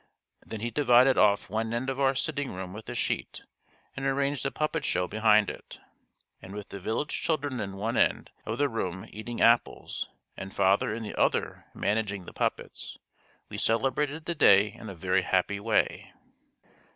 Then he divided off one end of our sitting room with a sheet and arranged a puppet show behind it. And with the village children in one end of the room eating apples, and father in the other managing the puppets, we celebrated the day in a very happy way.